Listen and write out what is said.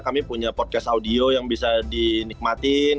kami punya podcast audio yang bisa dinikmatin